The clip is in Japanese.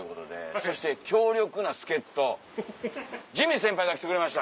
そして強力な助っ人ジミー先輩が来てくれました。